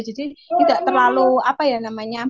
jadi tidak terlalu apa ya namanya